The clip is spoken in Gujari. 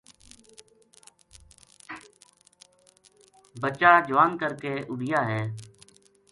بچڑا جوان کر کے اُڈیا ہے